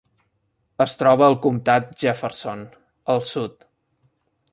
Es troba al comtat Jefferson, al sud.